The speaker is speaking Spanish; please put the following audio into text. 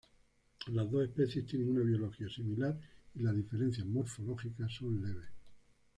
Las dos especies tienen una biología similar y las diferencias morfológicas son leves.